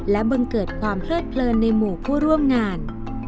และบังเกิดความเพลิดเพลินในหมู่ผู้ร่วมงาน